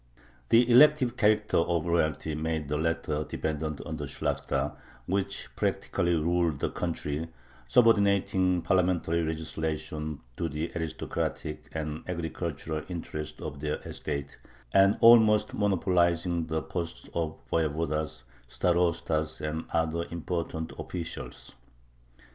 The elective character of royalty made the latter dependent on the Shlakhta, which practically ruled the country, subordinating parliamentary legislation to the aristocratic and agricultural interests of their estate, and almost monopolizing the posts of voyevodas, starostas, and other important officials.